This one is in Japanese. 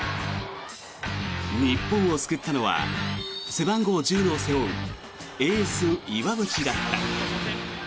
日本を救ったのは背番号１０を背負うエース、岩淵だった。